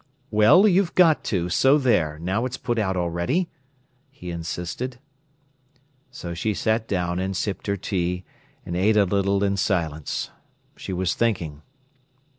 "Well, you've got to, so there, now it's put out ready," he insisted. So she sat down and sipped her tea, and ate a little, in silence. She was thinking.